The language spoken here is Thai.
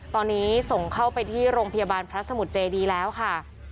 ตอนนี้ส่งเข้าไปที่โรงพยาบาลพระสมุทรเจดีแล้วค่ะ